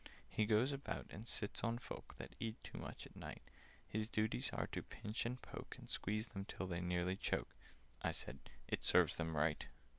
"He goes about and sits on folk That eat too much at night: His duties are to pinch, and poke, And squeeze them till they nearly choke." (I said "It serves them right!")